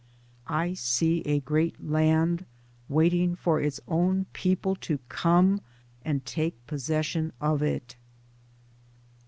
I see a great land waiting for its own people to come and take possession of it.